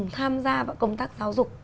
tham gia vào công tác giáo dục